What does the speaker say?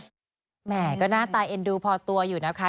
แหมก็หน้าตาเอ็นดูพอตัวอยู่นะคะ